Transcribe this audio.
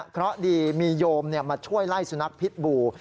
เพราะดีมีโยมมาช่วยไล่สุนัขพิษบู